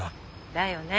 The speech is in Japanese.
だよね。